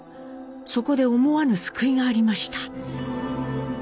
そこで思わぬ救いがありました。